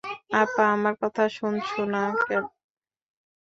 আপা, আমার কথা শুনছো না?